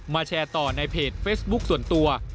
แชร์ต่อในเพจเฟซบุ๊คส่วนตัว